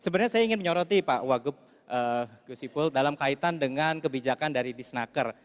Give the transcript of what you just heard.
sebenarnya saya ingin menyoroti pak wagub guseepul dalam kaitan dengan kebijakan dari d snacker